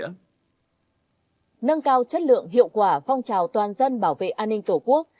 nâng cao chất lượng hiệu quả phong trào toàn dân bảo vệ an ninh tổ quốc